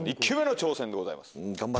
１球目の挑戦でございます。